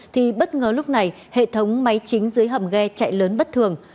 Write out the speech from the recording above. thì bất ngờ lúc này hệ thống máy chính dưới hầm ghe chạy lớn bất thường